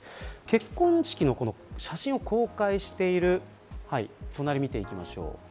結婚式の写真を公開している隣、見ていきましょう。